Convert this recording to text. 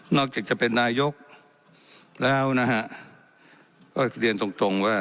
จากจะเป็นนายกแล้วนะฮะก็เรียนตรงตรงว่า